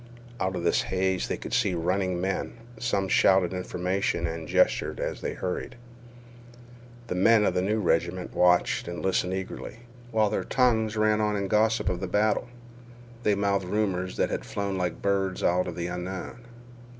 Out of this haze they could see running men. Some shouted information and gestured as the hurried. The men of the new regiment watched and listened eagerly, while their tongues ran on in gossip of the battle. They mouthed rumors that had flown like birds out of the unknown.